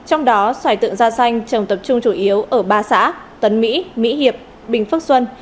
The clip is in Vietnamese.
trong đó xoài tượng da xanh trồng tập trung chủ yếu ở ba xã tấn mỹ mỹ hiệp bình phước xuân